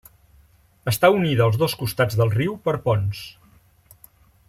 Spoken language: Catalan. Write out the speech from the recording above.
Està unida als dos costats del riu per ponts.